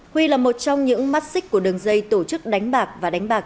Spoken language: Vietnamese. huy là một trong những mắt xích của đường dây tổ chức đánh bạc và đánh bạc